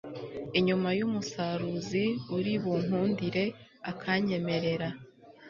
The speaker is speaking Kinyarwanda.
inyuma y'umusaruzi uri bunkundire akanyemerera